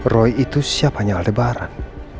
roy itu siapanya aldebaran